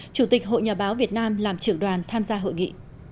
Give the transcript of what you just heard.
chủ tịch hội nhà báo việt nam làm trưởng đoàn tham gia hội nghị